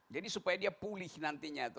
jadi supaya dia pulih nantinya